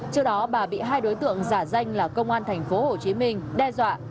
trước đó bà bị hai đối tượng giả danh là công an thành phố hồ chí minh đe dọa